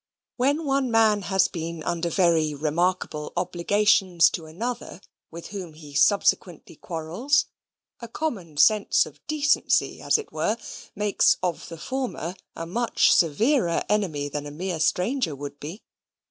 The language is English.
When one man has been under very remarkable obligations to another, with whom he subsequently quarrels, a common sense of decency, as it were, makes of the former a much severer enemy than a mere stranger would be.